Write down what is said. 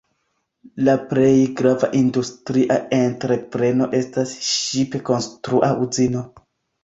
La plej grava industria entrepreno estas ŝip-konstrua uzino.